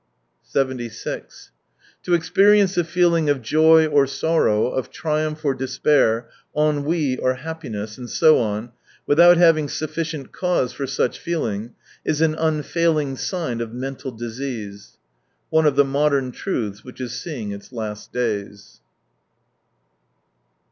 84 76. " To experience a feeling of joy or sorrow, of triumph or despair, ennui or happiness, and so on, without having sufficient cause for such feeling, is an unfailing sign of mental disease ...." One of the modern truths which is seeing its last days.